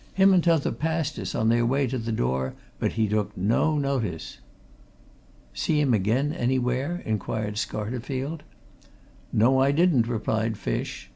"Him and t'other passed us on their way to the door, but he took no notice." "See him again anywhere?" inquired Scarterfield. "No, I didn't" replied Fish.